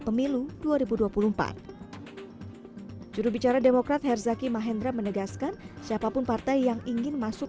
pemilu dua ribu dua puluh empat jurubicara demokrat herzaki mahendra menegaskan siapapun partai yang ingin masuk